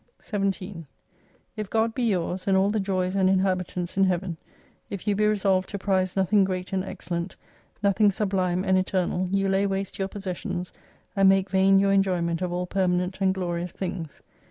' 17 If God be yours, and all the joys and inhabitants in Heaven,; If you be resolved to prize nothing great and excellent, nothing sublime and eternal, you lay waste your possessions, and make vain your enjoyment of all permanent and glorious things.